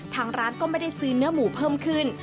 ทางร้านก็ไม่ได้ซื้อเนื้อหมูเพิ่มขึ้น